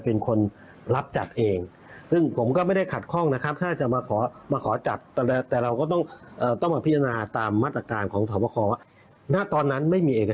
ตอนเรียนในหมหาลัยผมชอบเพลงมาก